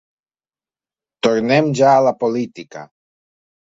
Tornem ja a la política.